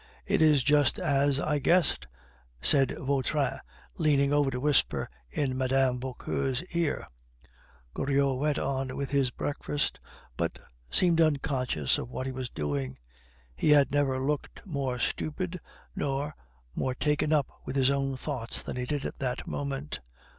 "It is just as I guessed," said Vautrin, leaning over to whisper in Mme. Vauquer's ear. Goriot went on with his breakfast, but seemed unconscious of what he was doing. He had never looked more stupid nor more taken up with his own thoughts than he did at that moment.